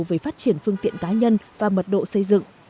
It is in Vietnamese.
về phát triển phương tiện cá nhân và mật độ xây dựng